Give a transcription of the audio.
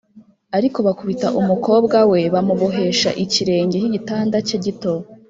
ariko bakubita umukobwa we bamubohesha ikirenge cy'igitanda cye gito;